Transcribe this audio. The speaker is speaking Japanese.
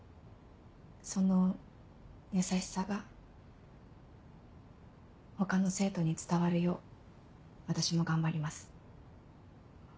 その優しさが他の生徒に伝わるよう私も頑張ります。